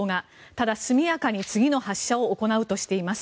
ただ、速やかに次の発射を行うとしています。